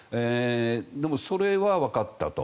でも、それはわかったと。